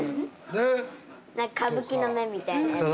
何か歌舞伎の目みたいなやつ。